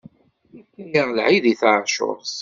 Ifka-yaɣ lεid i tεacurt.